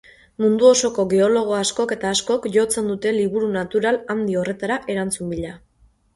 Mundu osoko geologo askok eta askok jotzen dute liburu natural handi horretara erantzun bila.